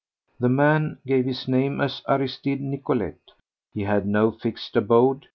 The man gave his name as Aristide Nicolet. He had no fixed abode.